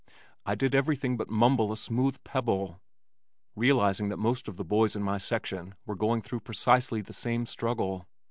I did everything but mumble a smooth pebble realizing that most of the boys in my section were going through precisely the same struggle.